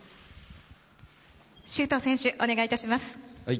周東選手、お願いいたします。